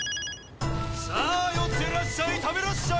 さあ寄ってらっしゃい食べらっしゃい！